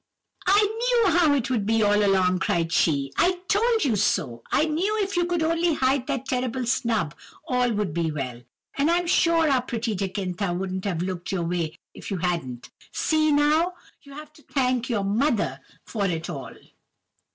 "'I knew how it would be all along!' cried she; 'I told you so! I knew if you could only hide that terrible snub all would be well; and I'm sure our pretty Jacintha wouldn't have looked your way if you hadn't! See, now! you have to thank your mother for it all!